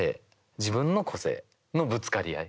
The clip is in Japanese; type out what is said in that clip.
自分の個性のぶつかり合い